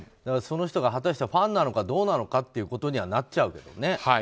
その人がファンなのかどうなのかということにはなっちゃうけどね。